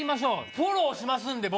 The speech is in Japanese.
フォローしますんで僕」